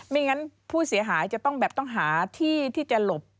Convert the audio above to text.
ไม่งั้นผู้เสียหายจะต้องแบบต้องหาที่ที่จะหลบ